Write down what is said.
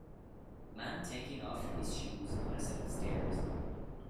Man taking off his shoes on a set of stairs